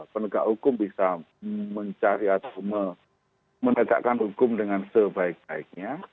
penegak hukum bisa mencari atau menegakkan hukum dengan sebaik baiknya